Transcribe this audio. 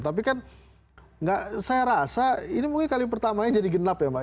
tapi kan saya rasa ini mungkin kali pertamanya jadi genap ya mbak